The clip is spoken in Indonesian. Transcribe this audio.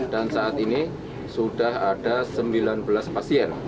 dan saat ini sudah ada sembilan belas pasien